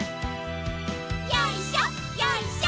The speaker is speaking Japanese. よいしょよいしょ。